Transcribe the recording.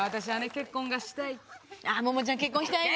結婚したい。